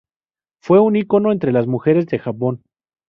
Fue un ícono entre las mujeres de Japón.